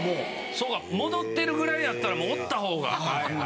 そうか戻ってるぐらいやったらもうおった方が。